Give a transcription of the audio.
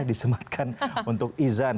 disematkan untuk izan